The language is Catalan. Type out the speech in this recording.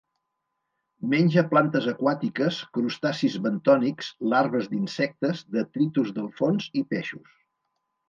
Menja plantes aquàtiques, crustacis bentònics, larves d'insectes, detritus del fons i peixos.